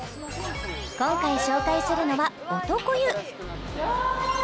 今回紹介するのは男湯わ！